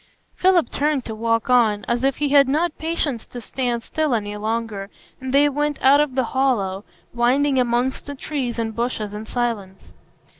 Philip turned to walk on, as if he had not patience to stand still any longer, and they went out of the hollow, winding amongst the trees and bushes in silence.